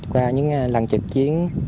qua những lần trực chiến